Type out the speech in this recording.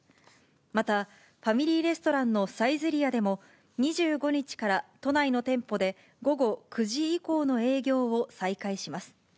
また、ファミリーレストランのサイゼリヤでも、２５日から都内の店舗で、午後９時以降の営業を再開します。